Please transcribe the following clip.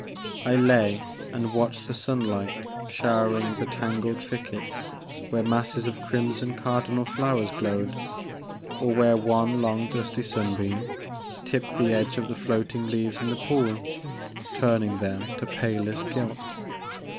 I lay and watched the sunlight showering the tangled thicket where masses of crimson Cardinal flowers glowed, or where one long dusty sunbeam tipped the edge of the floating leaves in the pool, turning them to palest gilt.